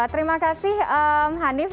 terima kasih hanif